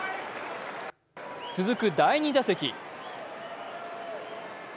続く第２打席。